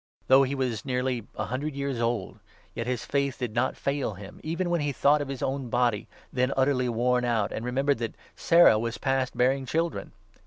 Though he was nearly a hundred years 19 old, yet his faith did not fail him, even when he thought of his own body, then utterly worn out, and remembered that Sarah was past bearing children.